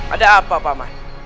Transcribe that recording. ada apa pak mai